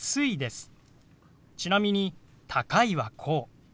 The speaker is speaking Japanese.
ちなみに「高い」はこう。